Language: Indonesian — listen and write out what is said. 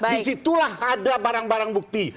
di situlah ada barang barang bukti